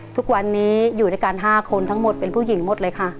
ทุกวันนี้อยู่ด้วยกัน๕คนทั้งหมดเป็นผู้หญิงหมดเลยค่ะ